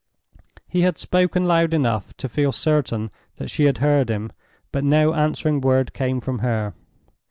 He had spoken loud enough to feel certain that she had heard him, but no answering word came from her.